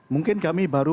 mungkin kami baru